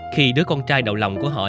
khi đứa con trai đầu lòng của họ